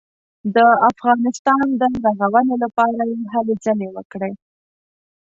د افغانستان د رغونې لپاره یې هلې ځلې وکړې.